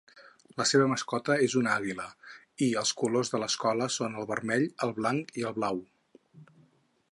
La seva mascota és un àguila, i els colors de l'escola són el vermell, el blanc i el blau.